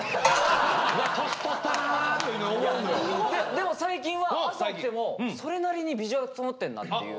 でも最近は朝起きてもそれなりにビジュアル整ってんなっていう。